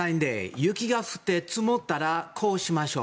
雪が降って積もったらこうしましょう。